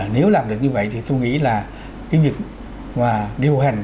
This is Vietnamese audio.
nếu làm được như vậy thì tôi nghĩ là cái việc mà điều hành